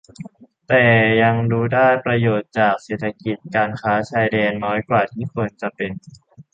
แต่ยังดูได้ประโยชน์จากเศรษฐกิจการค้าชายแดนน้อยกว่าที่ควรจะเป็น